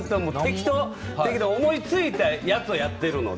思いついたやつをやっているので。